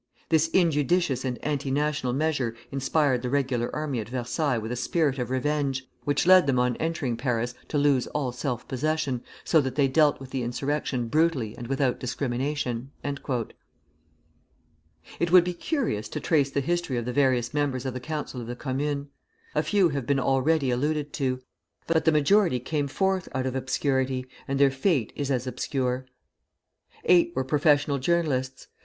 This injudicious and anti national measure inspired the regular army at Versailles with a spirit of revenge, which led them on entering Paris to lose all self possession, so that they dealt with the insurrection brutally and without discrimination." It would be curious to trace the history of the various members of the Council of the Commune. A few have been already alluded to; but the majority came forth out of obscurity, and their fate is as obscure. Eight were professional journalists.